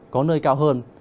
có nơi cao hơn